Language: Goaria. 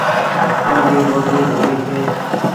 سندي ٻولي ڀلي ڇي ۔